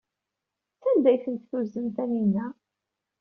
Sanda ay tent-tuzen Taninna?